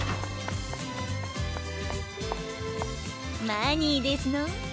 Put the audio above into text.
マニーですの。